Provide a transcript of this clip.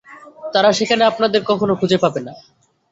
তারা সেখানে আপনাদের কখনই খুঁজে পাবে না।